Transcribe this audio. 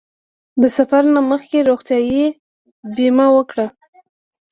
د سفر نه مخکې د روغتیا بیمه وکړه.